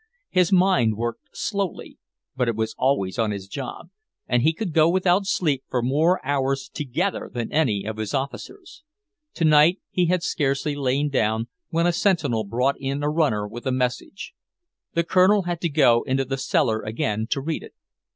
His mind worked slowly, but it was always on his job, and he could go without sleep for more hours together than any of his officers. Tonight he had scarcely lain down, when a sentinel brought in a runner with a message. The Colonel had to go into the cellar again to read it.